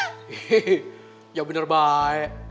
hehehe ya bener baik